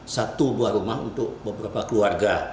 satu dua rumah untuk beberapa keluarga